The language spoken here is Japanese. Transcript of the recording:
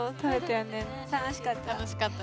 楽しかった。